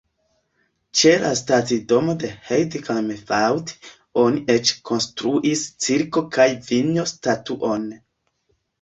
Ĉe la stacidomo de Heide-Kalmthout oni eĉ konstruis Cisko-kaj-Vinjo-statuon.